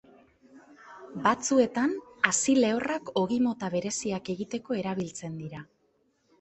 Batzuetan, hazi lehorrak ogi mota bereziak egiteko erabiltzen dira.